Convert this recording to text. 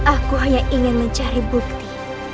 aku hanya ingin mencari bukti